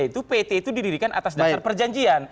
itu pt itu didirikan atas dasar perjanjian